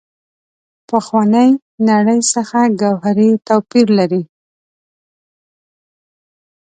پخوانۍ نړۍ څخه ګوهري توپیر لري.